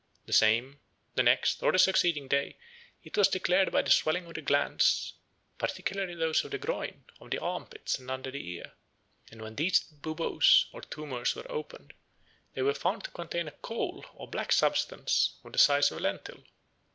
The same, the next, or the succeeding day, it was declared by the swelling of the glands, particularly those of the groin, of the armpits, and under the ear; and when these buboes or tumors were opened, they were found to contain a coal, or black substance, of the size of a lentil.